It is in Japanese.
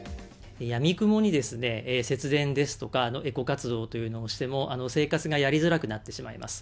やみくもに節電ですとか、エコ活動というのをしても、生活がやりづらくなってしまいます。